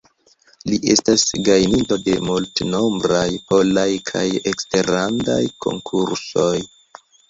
Li estas gajninto de multnombraj polaj kaj eksterlandaj konkursoj.